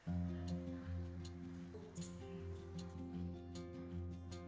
video pembelajaran tersebut dihasilkan oleh atung